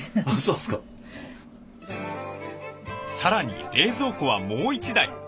さらに冷蔵庫はもう１台。